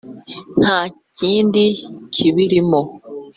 nta kibi kirimo.